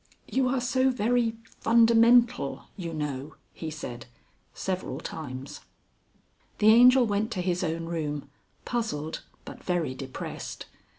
"You are so very fundamental, you know," he said several times. The Angel went to his own room puzzled but very depressed.